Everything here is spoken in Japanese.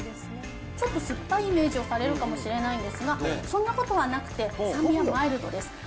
ちょっとすっぱいイメージをされるかもしれないんですが、そんなことはなくて、酸味はマイルドです。